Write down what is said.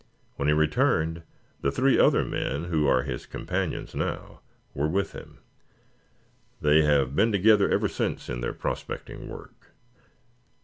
When he returned the three other men, who are his companions now, were with him. They have been together ever since in their prospecting work.